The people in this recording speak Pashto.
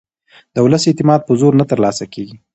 د ولس اعتماد په زور نه ترلاسه کېږي